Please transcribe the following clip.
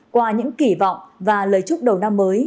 qua những kỳ vọng và lời chúc đầu năm mới